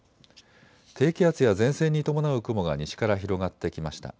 低気圧や前線に伴う雲が西から広がってきました。